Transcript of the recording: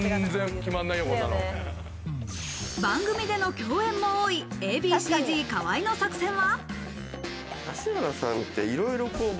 番組での共演も多い、Ａ．Ｂ．Ｃ−Ｚ、河合の作戦は。